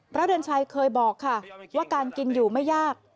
เดือนชัยเคยบอกค่ะว่าการกินอยู่ไม่ยาก